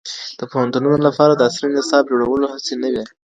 د پوهنتونونو لپاره د عصري نصاب جوړولو هڅې نه وي.